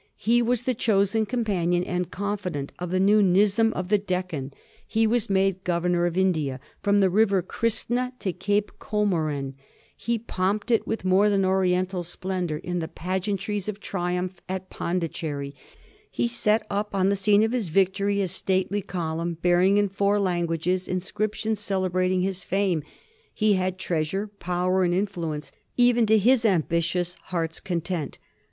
He was the chosen companion and confidant of the new Nizam of the Deccan ; he was made Governor 262 A HISTORY OF THE FOUR GEORGES, ch.zxzyiu. of India from the river Kristna to Cape Comorin; he pomped it with more than Oriental splendor in the pag eantnes of tiiumph at Pondicherry; he set up on the scene of his victory a stately column, bearing in four languages inscriptions celebrating his fame ; he had treas ure, power, and influence even to his ambitious heart's content.